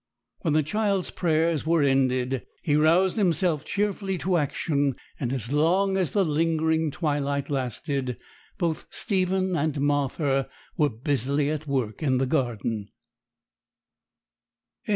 When the child's prayers were ended, he roused himself cheerfully to action; and as long as the lingering twilight lasted, both Stephen and Martha were busily at work in the garden.